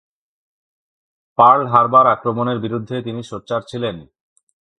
Pearl Harbor আক্রমণের বিরুদ্ধে তিনি সোচ্চার ছিলেন।